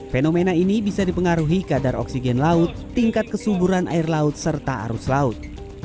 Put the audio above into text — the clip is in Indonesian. fenomena ini bisa dipengaruhi kadar oksigen laut tingkat kesuburan air laut serta arus laut